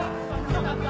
よかった！